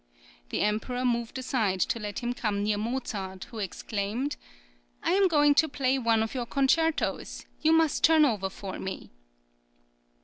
The Emperor moved aside to let him come near Mozart, who exclaimed: "I am going to play one of your concertos; you must turn over for me."